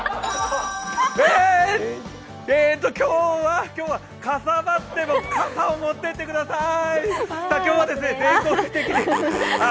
えーっと、今日はかさばっても傘を持ってってください！